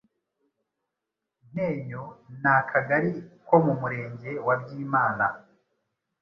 Ntenyo ni akagali ko mu murenge wa Byimana,